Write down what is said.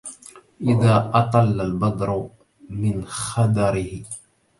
إذا أطل البدر من خدره